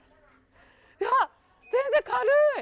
いや、全然軽い。